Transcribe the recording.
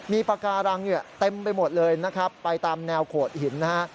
มีปาการังเต็มไปหมดเลยไปตามแนวโขดหิน